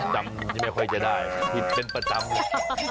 จำไม่ค่อยจะได้ผิดเป็นประจำเลย